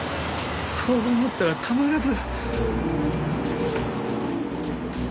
そう思ったらたまらず。